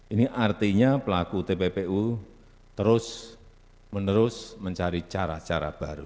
ini artinya pelaku tppu terus menerus mencari cara cara baru